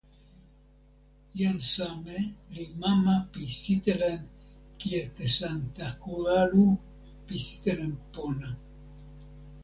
jan Same li mama pi sitelen "kijetesantakalu" pi sitelen pona.